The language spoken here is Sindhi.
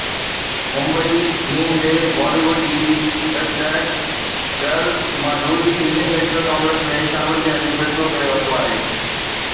ممبئي (م ڊ) بالي ووڊ جي دک دھڪ girl Madhuri Indian National Congress ۾ شامل ٿيڻ جو فيصلو ڪري ورتو آهي.